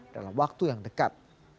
dalam waktu yang dekat